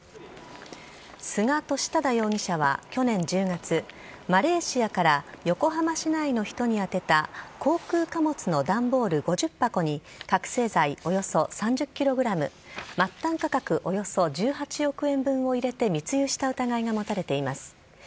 菅利忠容疑者は去年１０月マレーシアから横浜市内の人に宛てた航空貨物の段ボール５０箱に覚醒剤およそ３０ｋｇ末端価格およそ１８億円分を入れて密輸した疑いが持たれています。